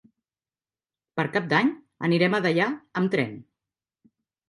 Per Cap d'Any anirem a Deià amb tren.